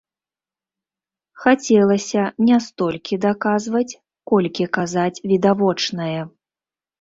Хацелася не столькі даказваць, колькі казаць відавочнае.